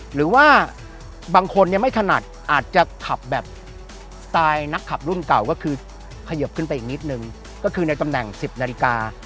หรือว่าบางคนเนี่ยไม่ถนัดอาจจะขับแบบสไตล์นักขับรุ่นเก่าก็คือขยิบขึ้นไปอีกนิดนึงก็คือในตำแหน่ง๑๐นาฬิกา